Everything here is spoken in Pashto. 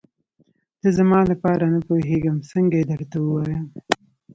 ته زما لپاره نه پوهېږم څنګه یې درته ووايم.